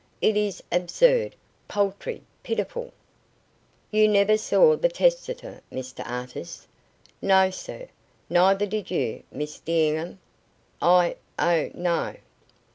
It is absurd, paltry, pitiful." "You never saw the testator, Mr Artis?" "No, sir." "Neither did you, Miss D'Enghien?" "I? Oh no."